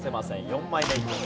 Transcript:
４枚目以降です。